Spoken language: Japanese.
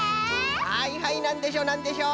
はいはいなんでしょうなんでしょう？